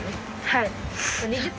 はい。